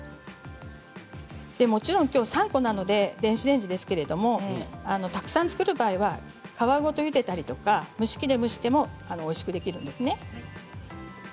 もちろん、きょうは３個なので電子レンジですけれどもたくさん作る場合は皮ごとゆでたりとか蒸し器で蒸してもおいしくできるんですね。